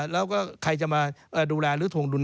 แล้วก็ใครจะมาดูแลหรือทวงดุล